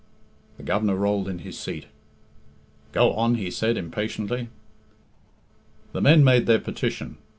The Governor rolled in his seat. "Go on," he said impatiently. The men made their petition.